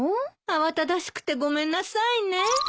慌ただしくてごめんなさいね。